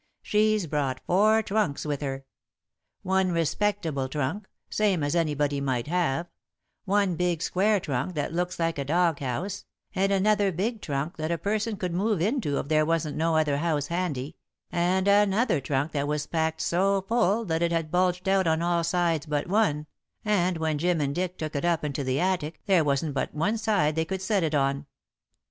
She's brought four trunks with her one respectable trunk, same as anybody might have, one big square trunk that looks like a dog house, and another big trunk that a person could move into if there wasn't no other house handy, and another trunk that was packed so full that it had bulged out on all sides but one, and when Jim and Dick took it up into the attic there wasn't but one side they could set it on.